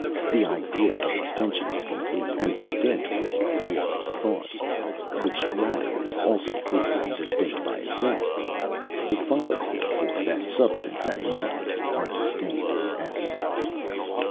The idea of extension is complete and distinct from the idea of thought, which latter is also clear and distinct by itself. It follows, therefore, that substance and mind are distinct in essence."